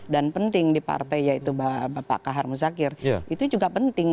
dan penting di partai yaitu bapak kakar muzakir itu juga penting